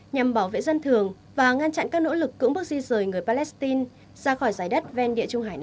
nhằm bảo vệ dân thường và ngăn chặn các nỗ lực cưỡng bước di rời người palestine ra khỏi giải đất ven địa trung hải này